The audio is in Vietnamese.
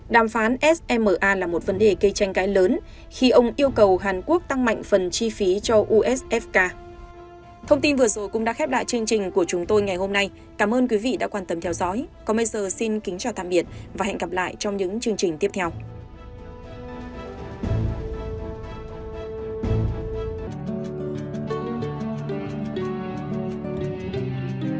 đàm phán sma là một vấn đề gây tranh cãi lớn khi ông yêu cầu hàn quốc tăng mạnh phần chi phí cho usfk